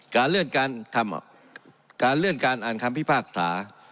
การเลื่อนการอ่านคำพิพากษา